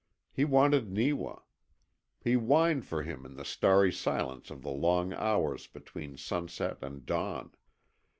He wanted Neewa. He whined for him in the starry silence of the long hours between sunset and dawn.